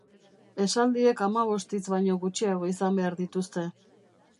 Esaldiek hamabost hitz baino gutxiago izan behar dituzte.